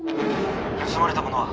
☎盗まれたものは？